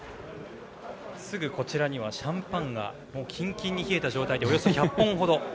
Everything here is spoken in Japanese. すぐこちらにはシャンパンがキンキンに冷えた状態でおよそ１００本ほど。